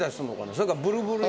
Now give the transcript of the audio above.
それかブルブル。